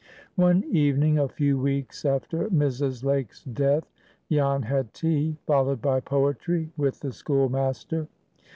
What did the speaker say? One evening, a few weeks after Mrs. Lake's death, Jan had tea, followed by poetry, with the schoolmaster.